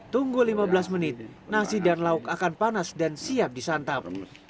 tunggu lima belas menit nasi dan lauk akan panas dan siap disantap